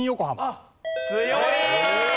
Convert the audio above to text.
強い！